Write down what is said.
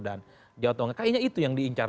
dan jawa tengah kayaknya itu yang diincar